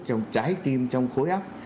trong trái tim trong khối ấp